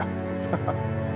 ハハハハ。